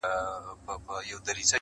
اوس به څنګه نكلچي غاړه تازه كي-